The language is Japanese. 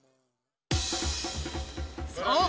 そう！